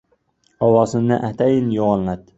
Ovozini atayin yo‘g‘onlatdi.